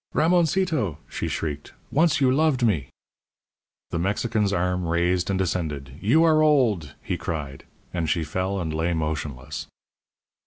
"Ramoncito!" she shrieked; "once you loved me." The Mexican's arm raised and descended. "You are old," he cried; and she fell and lay motionless.